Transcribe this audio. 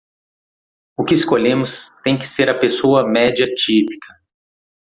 O que escolhemos tem que ser a pessoa média típica.